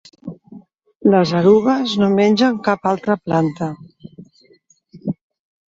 Les erugues no mengen cap altra planta.